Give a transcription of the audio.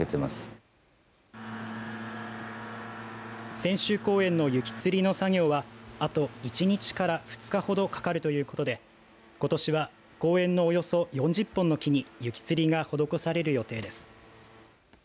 千秋公園の雪吊りの作業はあと１日から２日ほどかかるということでことしは公園のおよそ４０本の木に雪吊りが施される予定です。